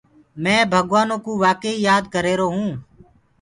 مي ڀگوآنو ڪو وآڪي ئي يآد ڪر رهيرو هونٚ۔